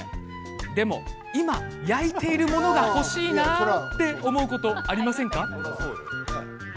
でも、今、焼いているものが欲しいなと思うことありませんか？